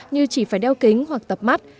như chỉ phải đeo kính hoặc tập mắt